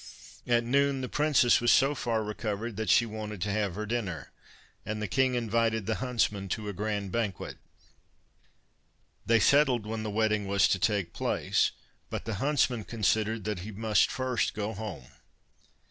At noon the princess was so far recovered, that she wanted to have her dinner, and the king invited the huntsman to a grand banquet. They settled when the wedding was to take place, but the huntsman considered that he must first go home.